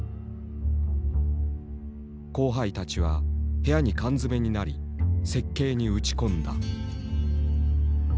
後輩たちは部屋に缶詰めになり設計に打ち込んだ。